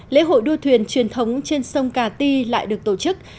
lễ hội đua thuyền truyền thống trên sông cà ti lại được tổ chức